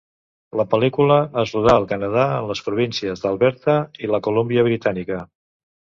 La pel·lícula es rodà al Canadà, en les províncies d'Alberta i la Colúmbia Britànica.